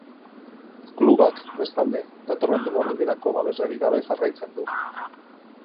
Klubak, bestalde, datorren denboraldirako babeslerik gabe jarraitzen du.